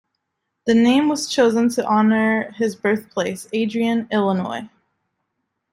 The name was chosen to honor his birthplace, Adrian, Illinois.